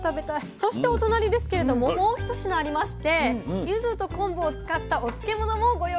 そしてお隣ですけれどももう一品ありましてゆずと昆布を使ったお漬物もご用意いたしました。